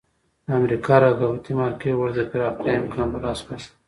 د امریکا رقابتي مارکېټ ورته د پراختیا امکان په لاس ورکړ.